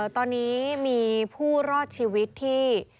ตอนนี้มีผู้รอดชีวิตที่